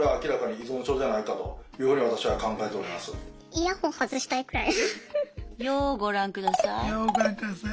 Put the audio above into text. イヤホン外したいくらい。